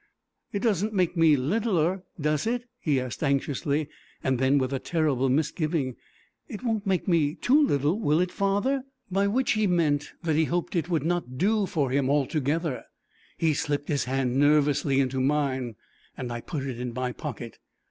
"It doesn't make me littler, does it?" he asked anxiously; and then, with a terrible misgiving: "It won't make me too little, will it, father?" by which he meant that he hoped it would not do for him altogether. He slipped his hand nervously into mine, and I put it in my pocket.